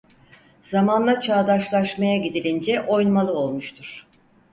Zamanla çağdaşlamaya gidilince oymalı olmuştur.